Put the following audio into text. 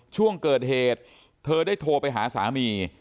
ช่วงเกิดเหตุเธอได้โทรไปหาสามี